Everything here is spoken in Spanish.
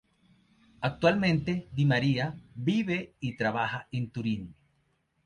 Actualmente De Maria vive y trabaja en Turín.